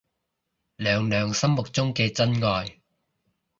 娘娘心目中嘅真愛